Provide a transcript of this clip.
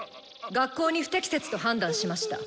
学校に不適切と判断しました。